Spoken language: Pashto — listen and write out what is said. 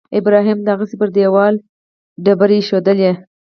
ابراهیم دغسې پر دېوال تیږې ایښودلې.